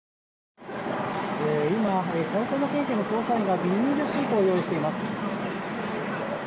今、埼玉県警の捜査員がビニールシートを用意しています。